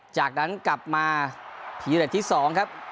จากนั้นกลับมาผีเล็ตที่๒ครับ